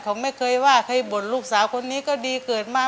เขาไม่เคยว่าใครบ่นลูกสาวคนนี้ก็ดีเกิดมา